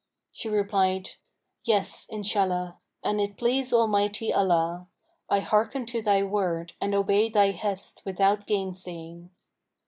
She replied, 'Yes, Inshallah: an it please Almighty Allah. I hearken to thy word and obey thy hest without gainsaying.'